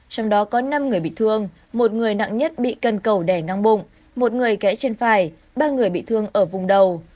trong đó có năm người bị thương một người nặng nhất bị cân cầu đẻ ngang bụng một người gãy trên phải ba người bị thương ở vùng đầu